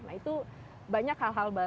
nah itu banyak hal hal baru